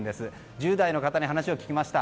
１０代の方に話を聞きました。